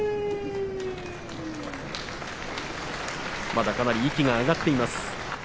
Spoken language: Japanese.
まだ息がかなり上がっています。